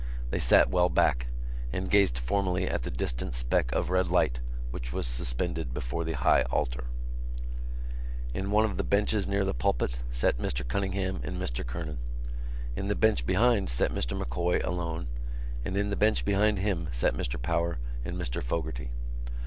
They sat well back and gazed formally at the distant speck of red light which was suspended before the high altar. In one of the benches near the pulpit sat Mr Cunningham and Mr Kernan. In the bench behind sat Mr M'Coy alone: and in the bench behind him sat Mr Power and Mr Fogarty.